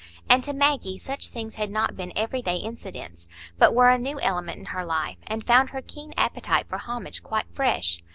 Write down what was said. And to Maggie such things had not been everyday incidents, but were a new element in her life, and found her keen appetite for homage quite fresh.